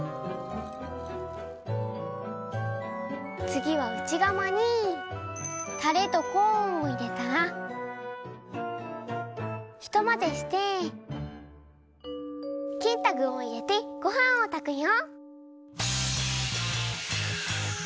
つぎはうちがまにたれとコーンをいれたらひとまぜして切った具をいれてごはんをたくよ。